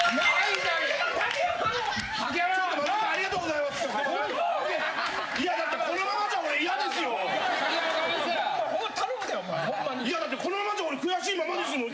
いやだってこのままじゃ俺悔しいままですもん。